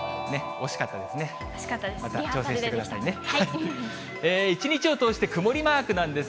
惜しかったです。